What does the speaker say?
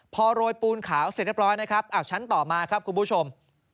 พอโรยปูนขาวเสร็จเรียบร้อยนะครับชั้นต่อมาครับคุณผู้ชม